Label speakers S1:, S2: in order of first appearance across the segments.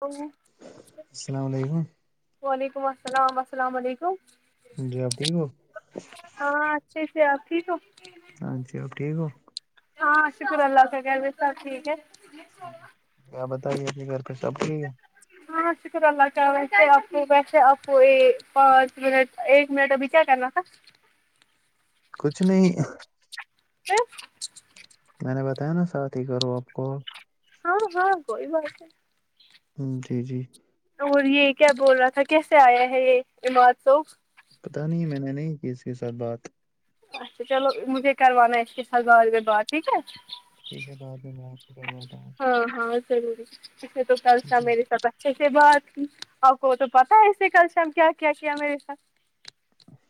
S1: Hello
S2: السلام علیکم
S1: وعلیکم السلام اسلام علیکم
S2: جی آپ ٹھیک ہو
S1: ہاں اچھے سے آپ ٹھیک ہو
S2: ہاں جی آپ ٹھیک ہو
S1: ہاں شکر اللہ کا کھر میں سب ٹھیک ہیں
S2: آپ بتائیے کی گھر پے سب ٹھیک ہیں
S1: ہاں ہاں شکر اللہ کا ویسے آپ کو ویسے آپ کو پانچ منٹ ایک منٹ ابھی کیا کرنا تھا
S2: کچھ نہیں
S1: [unintelligible]
S2: میں نے بتایا نا سات ہی کروں آپ کو
S1: ہاں ہاں کوئی بات نہیں
S2: آمم جی جی
S1: اور یے کیا بول رہا تھا کیسے یا ہے یے اماد صوب
S2: پتا نہیں میں نے نہیں کی ہے اس کے ساتھ بات
S1: اچھا چلو مجھے کروانا اس کے ساتھ بات اگر بات ٹھیک ہیں
S2: ٹھیک ہے بعد میں اپ کروات
S1: ہاں ہاں ضروری اسے تو قرض تھا
S2: جی
S1: میرے سر پے چے کے بعد آپ کو تو پتا ہے ایسے کل شام کیا کیا کیا میرے ساتھ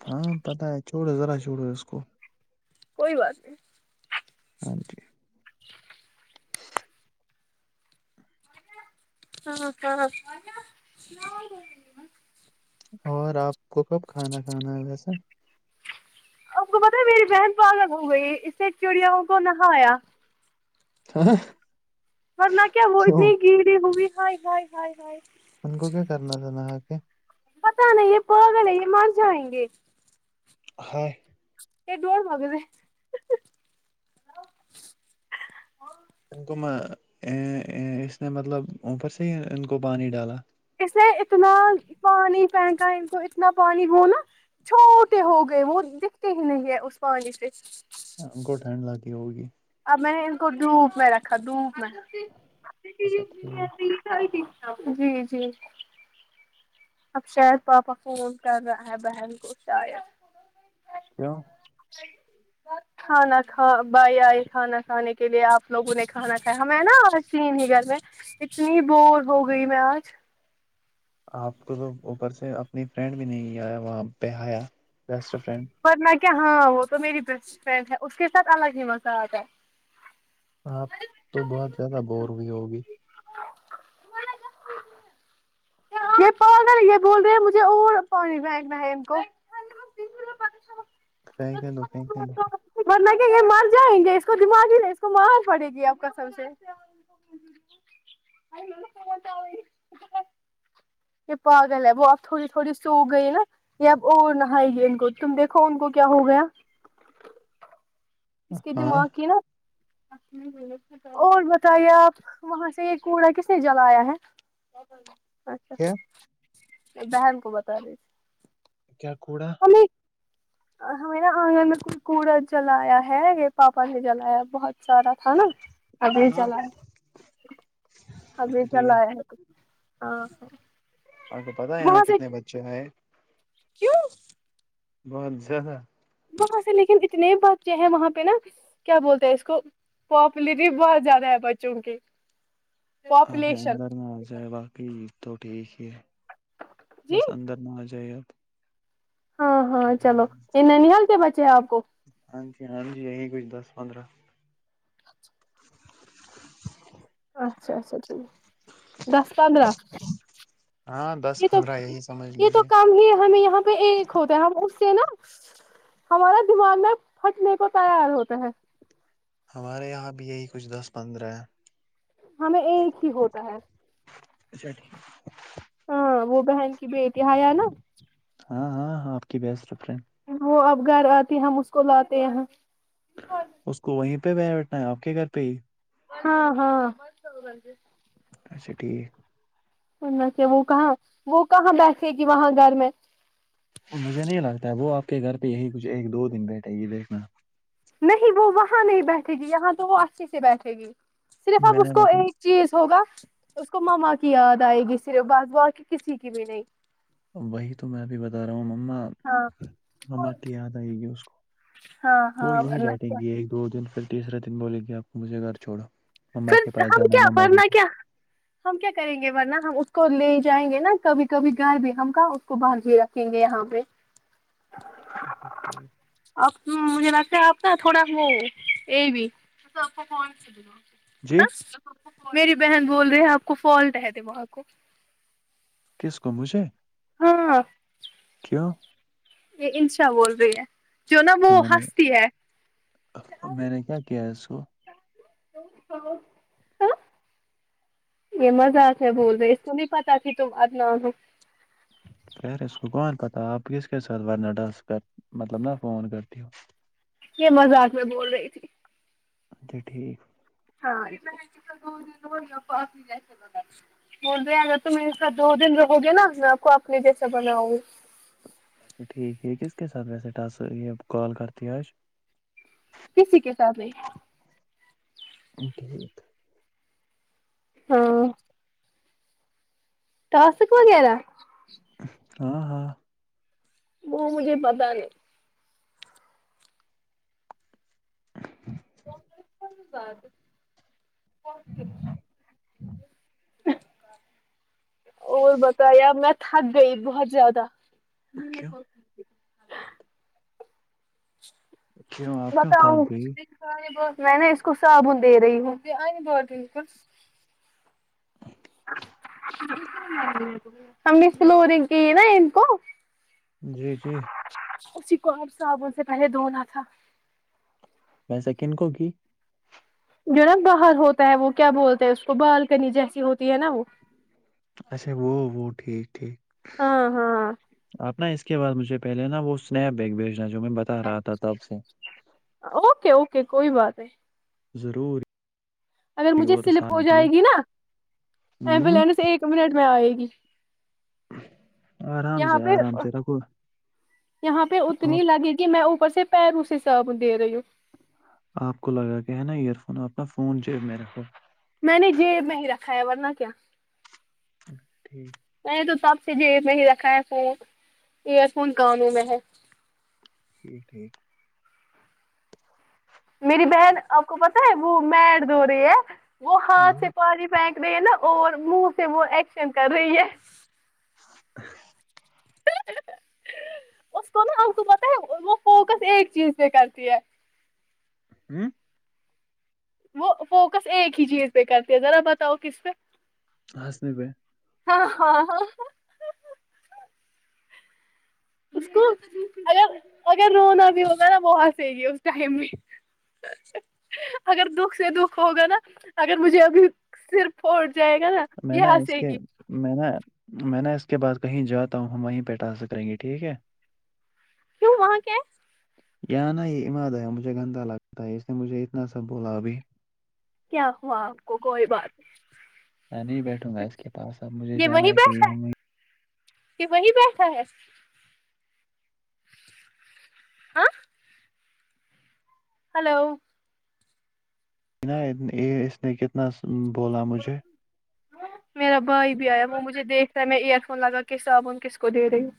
S2: ہاں پتا ہیں چھوڑ ذرا چھوڑو اس کو
S1: کوئی بات نہیں
S2: ہاں جی
S1: ہاں ہاں
S2: اور آپ کو کب کھانا کھانا ہے ویسے
S1: آ پ کو پتہ ہے میری بہن پاگل ہو گئی ہے اسے چڑیاؤں کو نہایا
S2: ہاں
S1: ورنہ کیا بول
S2: کیوں
S1: تی ہے گڈے ہوئی ہائے ہائے ہائے ہائے
S2: ان کو کیا کرنا تھا نہا کے
S1: پتہ نہیں یے پاگل ہے یے مر جائیں گے
S2: ہاے
S1: [unintelligible]
S2: ان کو میں اے اے اس نے مطلب اوپر سے ہی ان کو پانی ڈالا
S1: اس نے اتنا پانی پہنکا ہے ان کو اتنا پانی ہو نا چھوٹے ہو گئے وہ دکھتے ہی نہیں ہیں اس پانی سے
S2: ان کو ٹھنڈ لگ گئی ہوگی
S1: اب میں نے ان کو ڈھوپ میں رکھا ڈھوپ میں
S2: اچھا ٹھیک
S1: جی جی اب شاید پاپا فون کر رہا ہے بہن کو شاید
S2: کیوں
S1: کھانا کھا بائی آئی کھانا کھانے کے لیے آپ لوگوں نے کھانا کھایا ہم ہیں نہ آج تین ہی گھر میں اتنی بور ہو گئی میں آج
S2: آپ کو تو اوپر سے اپنی فرینڈ بھی نہیں آیا وہاں پے آیا بیسٹ فرینڈ
S1: ورنہ کیا ہاں وہ تو میری بیسٹ فرینڈ ہے اس کے ساتھ الگ ہی مزہ آتا ہے
S2: آپ تو بہت زیادہ بور ہوئی ہوگی
S1: [unintelligible] یہ پاگل ہے یہ بول رہی ہے مجھے اور پانی پھینکنا ہے ان کو چ
S2: پھینکنے دو پھینکنے دو
S1: ورنہ کیا یہ مر جائیں گے اس کو دماغ ہی نہیں اس کو مار پڑے گی اب قسم سے [unintelligible] یہ پاگل ہے وہ اب تھوڑی تھوڑی سو گئی نہ یہ اب اور نہائے گی ان کو تم دیکھو ان کو کیا ہو گیا اسکے
S2: ہاں
S1: دماغ کی نہ اور بتائیے آپ وہاں سے یہ کوڑا کس نے جلایا ہے اچھا
S2: کیا
S1: بہن کو بتا دیجی
S2: کیا کوڑا
S1: ہمیں نہ آنگن میں کوڑا جلایا ہے یہ پاپا نے جلایا بہت سار ا تھا نہ ابھی جلایا ابھی
S2: جی
S1: چلا یا ہے ہاں ہ
S2: آپ کو پتہ ہے یہاں کتنے بچے ہے
S1: کیوں
S2: بہت زیادہ
S1: وہاں سے لیکن اتنے بچے ہے وہاں پہ نہ کیا بولتے اس کو پاپولرٹی بہت زیادہ ہے بچوں کی
S2: آ
S1: پاپولیشن
S2: اندر نہ آ جائے باقی تو ٹھیک ہی ہے
S1: جی
S2: بس اندر نہ آ جائے اب
S1: ہاں ہاں چلو یہ ننہا ل کے بچے ہیں آپ کو
S2: ہاں جی ہاں جی یہی کوئی دس پندرہ
S1: اچھا اچھا اچھا ٹھیک دس پندرہ
S2: ہاں دس
S1: یہ تو
S2: پندرہ یہی سمجھ
S1: یہ تو
S2: لیجیے
S1: کام ہی ہمیں یہاں پہ ایک ہوتے ہیں ہم اس سے نہ ہمارا دماغ نہ پھٹنے کو تیار ہوتا ہے
S2: ہمارے یہاں بھی یہی کچھ دس پندرہ ہے
S1: ہمیں ایک ہی ہوتا ہے
S2: اچھاٹھیک
S1: ہا وہ بہن کی بیٹی حیا نا
S2: ہاں ہاں ہاں آپ کی بیسٹ فرینڈ
S1: وہ اب گھر آتی ہم اس کو لاتے یہاں
S2: اس کو وہیں پہ بیٹھنا ہے آپ کے گھر پہ ہی
S1: ہاں ہاں
S2: اچھا ٹھیک
S1: سنا کہ وہ کہاں وہ کہاں بیٹھے گ وہاں گھر میں
S2: مجھے نہیں لگتا ہے وہ آپ کے گھر پہ یہی کچھ ایک دو دن بیٹھے گی دیکھنا
S1: نہیں وہ وہاں نہیں بیٹھے گی یہاں تو وہ اچھے سے بیٹھے گی صرف اب
S2: میں نے
S1: اس کو
S2: بتا
S1: ایک چیز ہوگا اس کو ماما کی یاد آئے گی صرف بس با کی کسی کی بھی نہیں
S2: وہی تو میں بھی بتا رہا ہوں اب مما
S1: ہاں
S2: مما کی یاد ائی گی اس کو
S1: ہاں
S2: وہ
S1: ہاں
S2: یہی
S1: ورنہ
S2: بیٹھیں
S1: کیا۔
S2: گی ایک دو دن پھر تیسرا دن بولے گی آپ کو مجھے گھر چھوڑو مما کے
S1: سرف
S2: پاس
S1: ہم
S2: جانا ہے
S1: کیا
S2: مما کے
S1: ورنہ کیا ہم کیا کریں گے ورنہ ہم اس کو لے جائیں گے نا کبھی کبھی گھر بھی ہم کہاں اس کو باندھ رکھیں رکے گے یہاں پے
S2: پاس
S1: آپ م مجھے لگتا ہے اپ نا تھوڑا وہ اے بی [inaudible]
S2: جی
S1: میری بہن بول رہے ہیں آپ کو فالٹ ہے دے وہاں کو
S2: کس کو مجھے
S1: ہاں
S2: ہاں
S1: یے انشا بول رہی ہے جو نا وہ
S2: کہ میں نے
S1: ہستی ہے
S2: میں نے کیا کیا ہے اس کو
S1: [unintelligible] یی مزاق ہے بول رہے اس کو نہیں پتا کی تم اد نہ ہو
S2: پر اس کو بہار کا تھا آپ کس کے ساتھ ورنا ڈاس کر مطلب نہ فون کرتی ہو
S1: یے مذاق میں بول رہی تھی
S2: اچھا ٹھیک
S1: ہاں [unintelligible] بول رہے ہیں اگر تو میرے ساتھ دو دن رہو گے نا میں آپ کو اپنے جیسا بناؤں گی
S2: اچھا ٹھیک ہے کس کے ساتھ ویسے ٹاس کال کرتی آج
S1: کسیی کے ساتھ نہیں
S2: [unintelligible]
S1: ہاں ٹاسک وغیرہ
S2: ہاں ہاں
S1: وہ مجھے پتا نہیں [unintelligible] اور بتاؤ یار میں تھک گئی بہت زیادہ
S2: کیوں
S1: [unintelligible]
S2: کیوں آپ کیوں
S1: بتاؤں
S2: تھک گئی
S1: میں نے اس کو صابن دے رہی ہوں ہم نے سلو رنگ کی نا ان کو
S2: جی جی
S1: اسی کو آج صابن سے پہلے دھونا تھا
S2: ویسے کن کو کی
S1: جو نا باہر ہوتا ہے وہ کیا بولتے ہیں اس کو بالکنی جیسی ہوتی ہے نا وہ
S2: اچھا وہ وہ ٹھیک ٹھیک
S1: ہاں ہاں
S2: آپ نہ اس کے بعد مجھے پہلے نہ وہ اسنیپ ایک بھیجنا جو میں بتا رہا تھاب سے
S1: اوکے اوکے کوئی بات نہیں
S2: ضرور
S1: اگر مجھے
S2: اور
S1: سلپ
S2: رسانہ
S1: ہو
S2: بھی
S1: جائے گی نا ایمبولینس ایک منٹ میں آئے گی
S2: آرام
S1: یہاں
S2: سے
S1: پہ
S2: آرام سے رکھو
S1: یہاں پے اتنی
S2: آپ
S1: لگی گی میں اوپر سے پیروں سے صابن دے رہی ہوں
S2: آپ کو لگا کہ ہے نا ایئر فون آپنا فون جیب میں رکھو
S1: میں نے جیب میں ہی رکھا ہے ورنہ کیا
S2: ٹھیک
S1: میں نے تو تب سے جیب میں ہی رکھا ہے فون ایئر فون کانوں میں ہے
S2: ٹھیک ٹھیک
S1: میری بہن آپ کو پتا ہے وہ میڈ دھو رہی ہے وہ
S2: ہاں
S1: ہاتھ سے پانی پہن رہے ہیں نا اور منہ سے م ایککشن کر رہی ہے
S2: ا
S1: اس کو نا اپ کو پتا ہے وہ فوکس ایک چیز پہ کرتی ہے
S2: ہمم
S1: وہ فوکس ایک ہی چیز پے کرتی ہے ذرا بتاؤ کس پے
S2: ہنسنے پے
S1: ہاں ہاں ہاں اس کو اگر اگر رونا بھی ہوگا نا وہ ہنسے گی اس ٹائم ہی اگر دکھ سے دکھ ہوگا نا اگر مجھے ابھی سر پوٹ جائے گا نا
S2: میں
S1: یے
S2: اس
S1: ہنسے
S2: کے
S1: گی
S2: میں نا میں نا اس کے بعد کہیں جاتا ہوں ہم وہیں پے ٹاسک کریں گے ٹھیک ہے
S1: کیوں وہاں کے
S2: یہ نا یہ عماد آ مجھے گندہ لگتا ہے اس نے مجھے اتنا سا بولا ابھی
S1: کیا ہوا آپ کو کوئی بات نہیں
S2: میں نہیں بیٹھوں گا اس کے پاس اب مجھے جانا ہے کہیں ہم
S1: کہ وہی بیٹھا ہے ہاں ہیلو
S2: یہ اس نے کتنا بولا مجھے
S1: میرا بھائی بھی آیا وہ مجھے دیکھ رہا ہے میں ایئر فون لگا کہ صابن کس کو دے رہی ہوں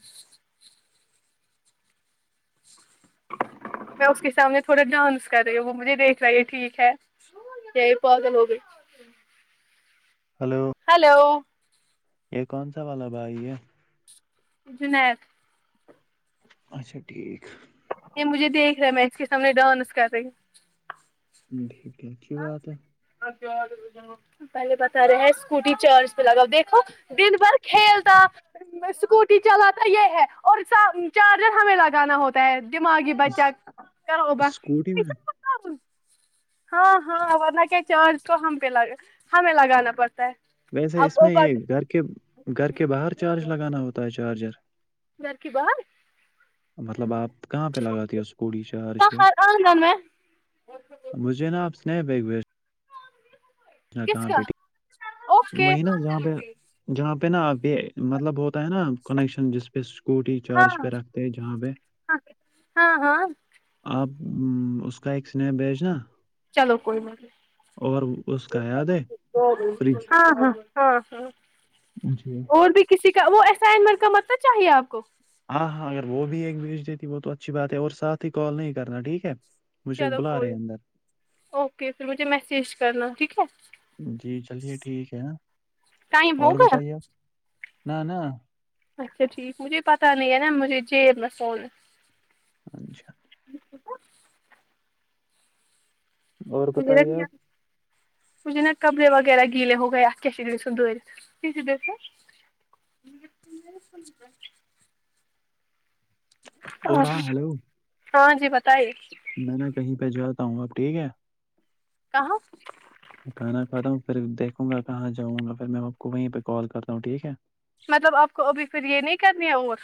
S1: میں اس کے سامنے تھوڑا ڈانس کر رہی ہوں وہ مجھے دیکھ رہا ہے ٹھیک ہے یہ پاگل ہوگی
S2: ہیلو
S1: ہیلو
S2: یہ کون سا والا بھائی یہ
S1: جنید
S2: اچھا ٹھیک
S1: یہ مجھے دیکھ رہ ہے میں اس کے سامنے ڈنس کر رہی
S2: ٹھیک ہے اچھی بات ہے
S1: پہلے بتا رہے ہیں اسکوٹی چارج لگاؤ دیکھو دن بھر کھیلتا اسکوٹی چلاتا یہ ہے اور چارجر ہمیں لگانا ہوتا دماغی بچا
S2: اس-
S1: کر ہو با
S2: اسکوٹی میں
S1: ہاں ہاں ورنہ کیا چارج تو ہم پہگ ہمیں لگانا پڑتا ہے
S2: ویسے
S1: اب
S2: اس
S1: وہ
S2: میں یہ گھر کے گھر کے باہر
S1: بات
S2: چارج لگانا ہوتا ہے چارجر
S1: گھر کے باہر
S2: مطلب آپ کہاں پہ لگاتے ہو اسکوٹیی چارج ہے
S1: باہر آنگن میں
S2: مجھے نا آپ [unintelligible] ہاں
S1: کس
S2: کہاں
S1: کا
S2: پہ
S1: اوکے
S2: وہیں نا جہاں پہ جہاں پہ نا آپ یہ مطلب ہوتا ہے نا کنیکشن جس پہ اسکوٹی
S1: ہاں
S2: چارج پہ رکھتے ہیں جہاں پہ
S1: ہاں ہاں ہاں
S2: آپ اس کا ایک سنیپ بھیجنا
S1: چلو کوئی نہیں
S2: اور اس کا یاد ہے فریج
S1: [unintelligible] ہاں ہاں ہاں ہاں
S2: جی
S1: اور بھی کسی کا وہ اسائنمنٹ کا مطلب چاہیے آپ کو
S2: ہاں ہاں اگر وہ بھی ایک بھیج دیتی وہ تو اچھی بات ہے اور ساتھ ہی کال نہیں کرنا ٹھیک ہے مجھے ایک
S1: چلو
S2: بلا رہے
S1: کوئی
S2: ہیں اندر
S1: اوکے پھر مجھے میسج کرنا ٹھیک ہے
S2: جی چلیے ٹھیک ہے
S1: ٹائم
S2: اور
S1: ہوگیا
S2: بتائیے آپ نہ نہ
S1: اچھا ٹھیک مجھے پتہ نہیں ہے نا مجھے جیب میں فون
S2: اچھا اور بتائیے آپ
S1: [unintelligible] مجھے نا کپڑے وغیرہ گیلے ہو گے ہاں
S2: اور ہلو
S1: ہاں جی بتائی
S2: میں نا کہیں پہ جاتا ہوں اب ٹھیک ہے
S1: کہاں
S2: کھانا کھا ہوں پھر دیکھوں گا کہاں جاں گا پھر میں آپ کو وہیں پہ کال کرتا ہوں ٹھیک ہے
S1: مطلب آپ کو ابھی پھر یہ نہیں کرنی ہے اور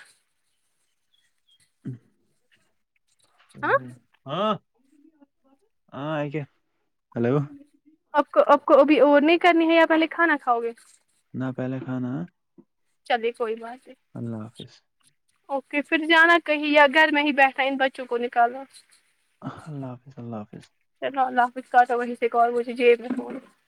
S1: ہاں
S2: [inaudible] ہاں ہاں کیا ہیلو
S1: آپ کو آپ کو ابھی اور نہیں کرنی ہے یا پہلے کھانا کھاؤ گے
S2: نہ پہلے کھانا
S1: چلے کوئی بات نہیں
S2: اللہ حافظ
S1: اوکے پھر جانا کہیں یا گھر میں ہی بیٹھا ان بچوں کو نکالنا
S2: اللہ حافظ اللہ حافظ
S1: چلو اللہ حافظ کا تو وہی سے اور جیب میں فون